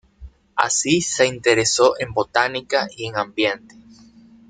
Así se interesó en Botánica y en Ambiente.